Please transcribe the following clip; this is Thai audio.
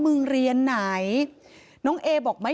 เหตุการณ์เกิดขึ้นแถวคลองแปดลำลูกกา